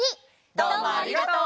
どうもありがとう。